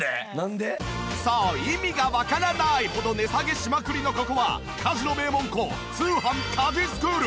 そう意味がわからないほど値下げしまくりのここは家事の名門校通販☆家事スクール！